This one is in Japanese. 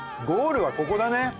ゴールはここだね！